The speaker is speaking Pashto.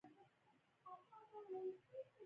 لومړی د کونړ عامه کتابتون ته لاړم.